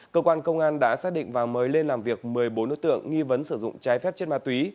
cơ quan công an đã xác định và mời lên làm việc một mươi bốn đối tượng nghi vấn sử dụng trái phép chất ma túy